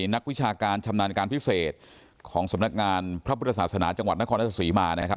นักวิชาการชำนาญการพิเศษของสำนักงานพระพุทธศาสนาจังหวัดนครราชศรีมานะครับ